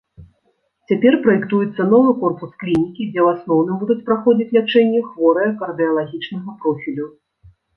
Цяпер праектуецца новы корпус клінікі, дзе ў асноўным будуць праходзіць лячэнне хворыя кардыялагічнага профілю.